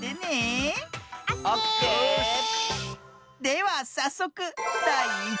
ではさっそくだい１もん。